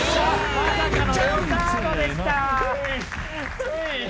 まさかのレオタードでした。